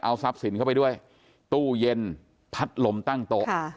เอาทรัพย์สินเข้าไปด้วยตู้เย็นพัดลมตั้งโต๊ะ